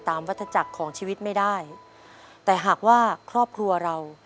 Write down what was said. วัตถจักรของชีวิตไม่ได้แต่หากว่าครอบครัวเรา